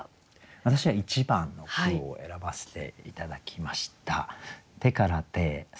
私は１番の句を選ばせて頂きました。